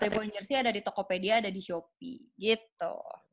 tiga point jersey ada di tokopedia ada di shopee gitu